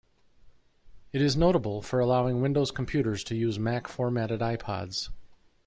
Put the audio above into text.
It is notable for allowing Windows computers to use Mac formatted iPods.